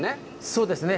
そうですね。